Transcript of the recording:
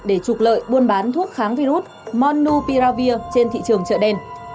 để trục lợi buôn bán thuốc kháng virus monupiravis trên thị trường chợ đen